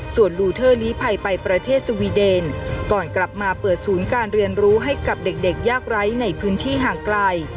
ส่วนลูเทอร์ลีภัยไปประเทศสวีเดนก่อนกลับมาเปิดศูนย์การเรียนรู้ให้กับเด็กยากไร้ในพื้นที่ห่างไกล